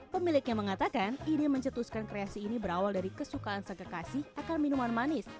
pemiliknya mengatakan ide mencetuskan kreasi ini berawal dari kesukaan sang kekasih akan minuman manis